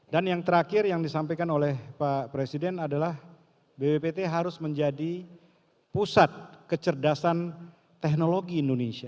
yang terakhir yang disampaikan oleh pak presiden adalah bppt harus menjadi pusat kecerdasan teknologi indonesia